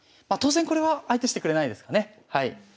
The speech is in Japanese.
まあ当然これは相手してくれないですかね。